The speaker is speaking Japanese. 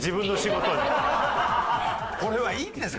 これはいいんですか？